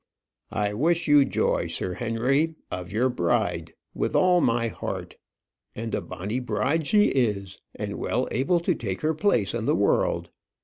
"I wish you joy, Sir Henry of your bride with all my heart. And a bonny bride she is, and well able to take her place in the world.